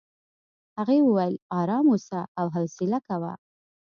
هغې وویل ارام اوسه او حوصله کوه.